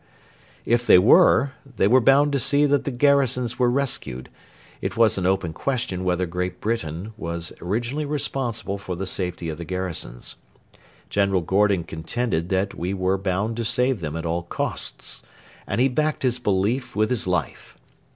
If they were, they were bound to see that the garrisons were rescued. It was an open question whether Great Britain was originally responsible for the safety of the garrisons. General Gordon contended that we were bound to save them at all costs, and he backed his belief with his life.